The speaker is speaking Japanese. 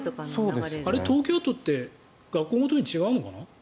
東京都って学校ごとに違うのかな。